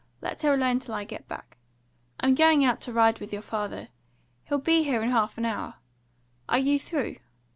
Let her alone till I get back. I'm going out to ride with your father. He'll be here in half an hour. Are you through?